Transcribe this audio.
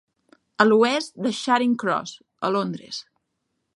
A l'oest de Charing Cross, a Londres.